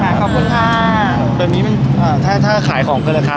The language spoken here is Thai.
ค่ะโอเคค่ะขอบคุณค่ะตอนนี้มันอ่าถ้าถ้าขายของเพิ่มราคา